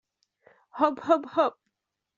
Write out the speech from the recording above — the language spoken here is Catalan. Hop, hop, hop!